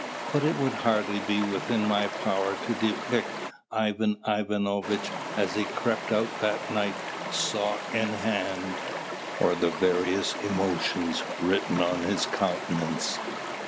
But it would hardly be within my power to depict Ivan Ivanovitch as he crept out that night, saw in hand; or the various emotions written on his countenance!